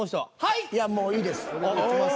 いやもういいです。